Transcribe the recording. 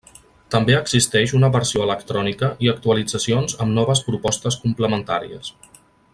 També existeix una versió electrònica i actualitzacions amb noves propostes complementàries.